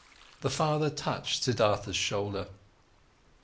The Father touched Siddhartha's shoulder.